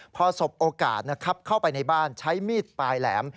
พอสบโอกาสนะครับเข้าไปในบ้านใช้มีดปลายแหลม